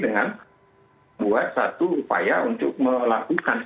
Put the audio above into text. dengan membuat satu upaya untuk melakukan